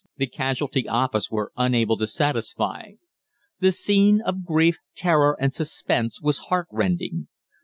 the casualty office were unable to satisfy. The scene of grief, terror, and suspense was heartrending.